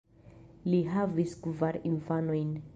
Li havis kvar infanojn.